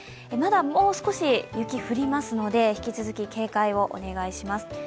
まだもう少し雪が降りますので、引き続き警戒をお願いします。